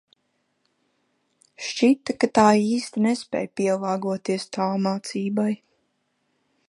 Šķita, ka tā īsti nespēj pielāgoties tālmācībai...